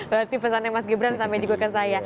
berarti pesannya mas gibran sampai juga ke saya